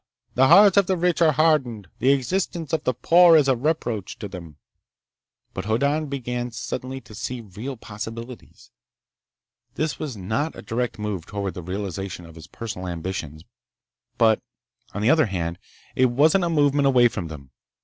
The hearts of the rich are hardened. The existence of the poor is a reproach to them." But Hoddan began suddenly to see real possibilities. This was not a direct move toward the realization of his personal ambitions. But on the other hand, it wasn't a movement away from them.